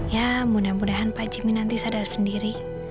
ya mudah mudahan pak jimmy nanti sadar sendiri